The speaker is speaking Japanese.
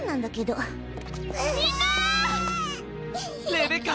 レベッカ！